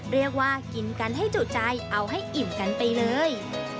เรียกว่ากินกันให้จุใจเอาให้อิ่มกันไปเลย